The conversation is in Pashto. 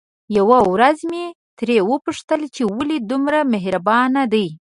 يوه ورځ مې ترې وپوښتل چې ولې دومره مهربانه دي؟